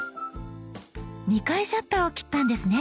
２回シャッターを切ったんですね。